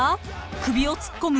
［首を突っ込む？